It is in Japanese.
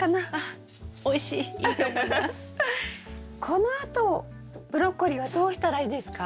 このあとブロッコリーはどうしたらいいですか？